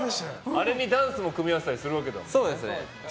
あれにダンスも組み合わせたりするんだよね。